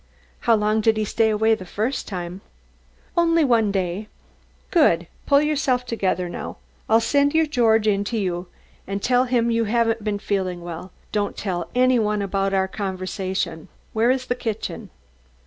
"How long did he stay away the first time?" "Only one day." "Good! Pull yourself together now. I'll send your George in to you and tell him you haven't been feeling well. Don't tell any one about our conversation. Where is the kitchen?"